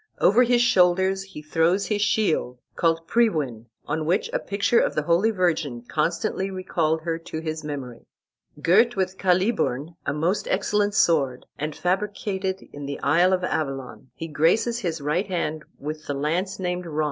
Over his shoulders he throws his shield called Priwen, on which a picture of the Holy Virgin constantly recalled her to his memory. Girt with Caliburn, a most excellent sword, and fabricated in the isle of Avalon, he graces his right hand with the lance named Ron.